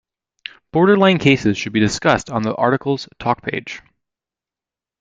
Borderline cases should be discussed on the article's talk page.